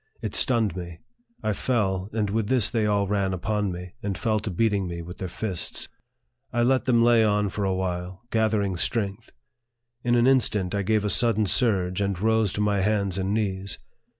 It stunned me. I fell, and with this they all ran upon me, and fell to beating me with their fists. I let them lay on for a while, gathering strength. In an instant, I gave a sudden surge, and rose to my hands and knees.